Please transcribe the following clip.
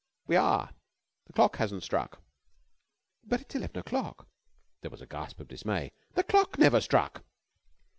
"We are. The clock hasn't struck." "But it's eleven o'clock!" There was a gasp of dismay. "The clock never struck!"